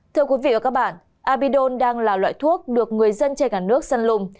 thưa quý vị và các bạn abidon đang là loại thuốc được người dân trên cả nước săn lùng